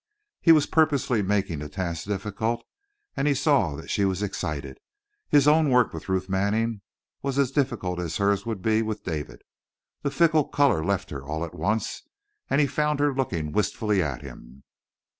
He was purposely making the task difficult and he saw that she was excited. His own work with Ruth Manning was as difficult as hers would be with David. The fickle color left her all at once and he found her looking wistfully at him.